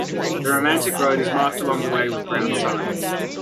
The Romantic Road is marked along the way with brown signs.